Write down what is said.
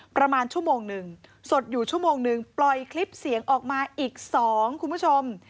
ประมาณชั่วโมงหนึ่งสดอยู่ชั่วโมงหนึ่งปล่อยคลิปเสียงออกมาอีก๒คุณผู้ชม